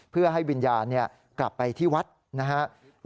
เพื่อให้วิญญาณกลับไปที่วัดนะครับ